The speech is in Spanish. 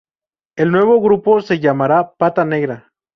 El nuevo grupo se llamará Pata Negra.